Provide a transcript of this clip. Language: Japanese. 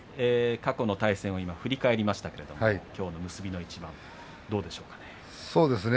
過去の対戦を今、振り返りましたけれどもきょうの結びの一番どうでしょうかね。